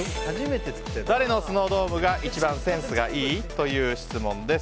誰のスノードームが一番センスがいい？という質問です。